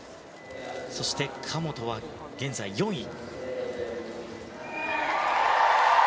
そして神本は現在４位。